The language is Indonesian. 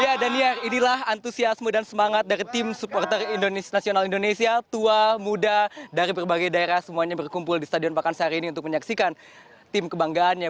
ya daniar inilah antusiasme dan semangat dari tim supporter nasional indonesia tua muda dari berbagai daerah semuanya berkumpul di stadion pakansari ini untuk menyaksikan tim kebanggaannya